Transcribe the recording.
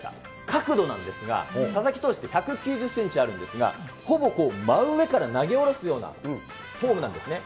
角度なんですが、佐々木投手って１９０センチあるんですが、ほぼこう、真上から投げ下ろすようなフォームなんですね。